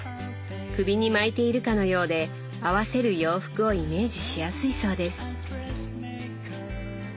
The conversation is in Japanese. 首に巻いているかのようで合わせる洋服をイメージしやすいそうです。